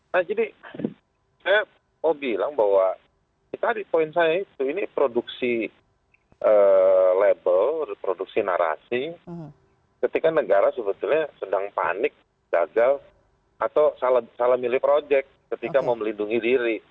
nah jadi saya mau bilang bahwa tadi poin saya itu ini produksi label produksi narasi ketika negara sebetulnya sedang panik gagal atau salah milih project ketika mau melindungi diri